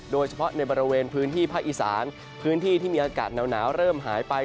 โดยเฉพาะในบริเวณพื้นที่ภาคอีสานพื้นที่ที่มีอากาศหนาวเริ่มหายไป